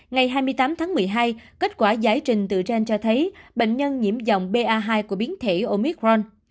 ngày hai mươi tám tháng một mươi hai kết quả giải trình từ trên cho thấy bệnh nhân nhiễm dòng ba hai của biến thể omicron